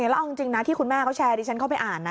แล้วเอาจริงนะที่คุณแม่เขาแชร์ดิฉันเข้าไปอ่านนะ